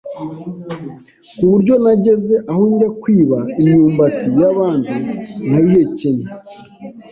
ku buryo nageze aho njya kwiba imyumbati y’abandi nkayihekenya